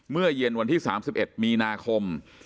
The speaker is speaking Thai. เมื่อเย็นวันที่๓๑มีนาคม